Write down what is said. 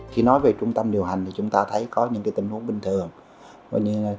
khi nói về trung tâm điều hành thì chúng ta thấy có những tình huống bình thường